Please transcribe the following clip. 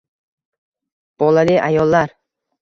Bolali ayollar